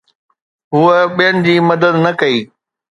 هوء ٻين جي مدد نه ڪئي